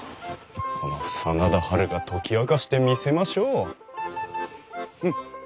この真田ハルが解き明かしてみせましょう。